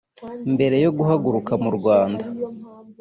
Mbere yo guhaguruka mu Rwanda